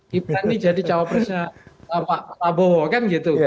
gibran ini jadi cawapresnya pak prabowo kan gitu